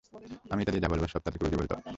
আমি এটা দিয়ে যা বলবো সব তাদেরকে বুঝিয়ে বলতে হবে।